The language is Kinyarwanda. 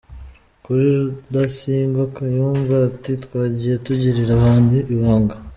Kuri Rudasingwa, Kayumba ati : Twagiye tugirira abantu ibanga.